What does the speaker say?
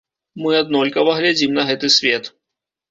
Мы аднолькава глядзім на гэты свет.